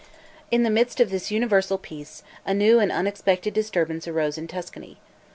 In the midst of this universal peace, a new and unexpected disturbance arose in Tuscany.